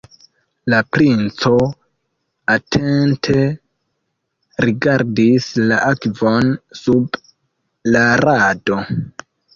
La princo atente rigardis la akvon sub la rado.